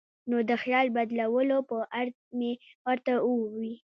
نو د خیال بدلولو پۀ غرض مې ورته اووې ـ